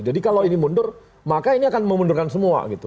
jadi kalau ini mundur maka ini akan memundurkan semua gitu